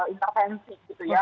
intervensi gitu ya